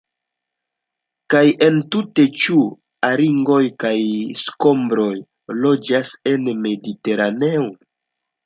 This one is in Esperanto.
Kaj entute, ĉu haringoj kaj skombroj loĝas en Mediteraneo?